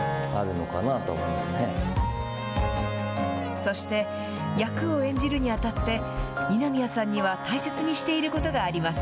そして、役を演じるに当たって二宮さんには大切にしていることがあります。